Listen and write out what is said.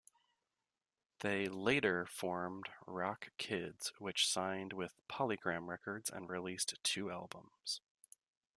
They later formed Rock Kids which signed with Polygram Records and released two albums.